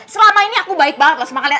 selama ini aku baik banget loh sama kalian